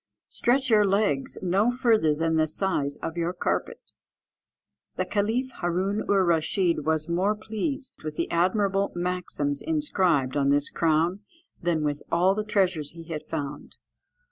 "Stretch your legs no further than the size of your carpet." The caliph Hâroon oor Rasheed was more pleased with the admirable maxims inscribed on this crown than with all the treasures he had found.